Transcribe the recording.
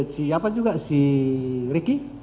siapa juga si ricky